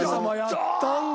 やったんだ。